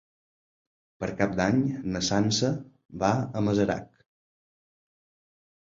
Per Cap d'Any na Sança va a Masarac.